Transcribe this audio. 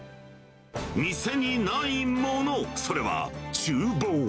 店にないもの、それはちゅう房。